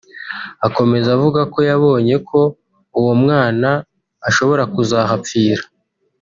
Akomeza avuga ko yabonye ko uwo mwana ashobora kuzahapfira